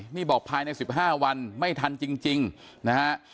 นี่บอกภายใน๑๕วันไม่ทันจริงนะฮะ